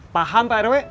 paham pak rw